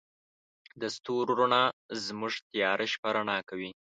د ستورو رڼا زموږ تیاره شپه رڼا کوي.